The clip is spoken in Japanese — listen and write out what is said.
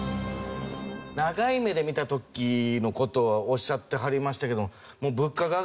長い目で見た時の事をおっしゃってはりましたけど。